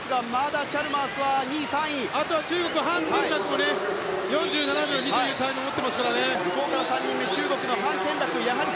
あとは中国、ハン・テンラクも４７秒２というタイムを持ってます。